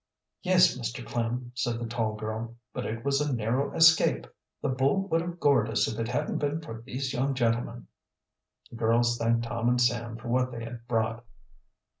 "Yes, Mr. Klem," said the tall girl. "But it was a narrow escape. The bull would have gored us if it hadn't been for these young gentlemen." The girls thanked Tom and Sam for what they had brought.